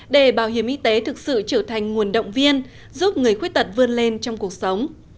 để bảo hiểm y tế thực sự trở thành nguồn động viên giúp người khuyết tật vươn lên trong cuộc sống